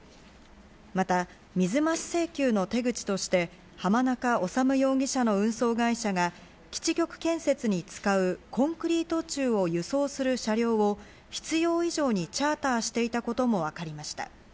また水増し請求の手口として浜中治容疑者の運送会社が基地局建設に使うコンクリート柱を輸送する車両を必要以上にチャーターしていたこともわかりました。